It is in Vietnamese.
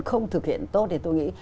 không thực hiện tốt thì tôi nghĩ